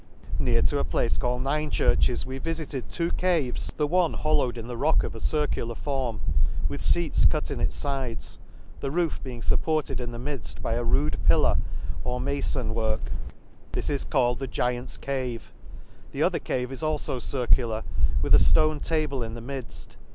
Near to a place called Ninechurches we vifited two caves ; the one hollowed in the rock of a circular form, with feats cut in its fides ; the roof being fupported in the lxiidft by a rude pillar of mafbn work ; this is called the Giant's cave ;— the other cave is alio circular, with a ftone table in the midfl.